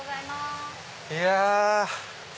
いや！